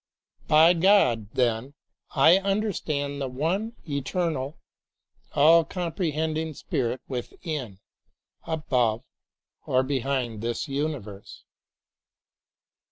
By God, then, I understand the THE LIVING WORD one eternal, all comprehending Spirit within, above, or behind this universe.